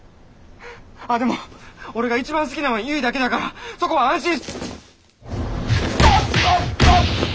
ああでも俺が一番好きなんは結だけだからそこは安心。